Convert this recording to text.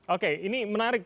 oke ini menarik